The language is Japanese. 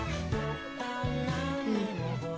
うん。